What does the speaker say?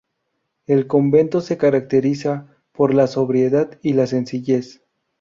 El convento se caracteriza por la sobriedad y la sencillez.